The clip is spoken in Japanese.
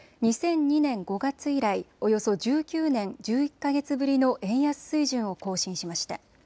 ２００２年５月以来、およそ１９年１１か月ぶりの円安水準を更新しました。